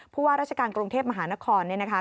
ว่าราชการกรุงเทพมหานครเนี่ยนะคะ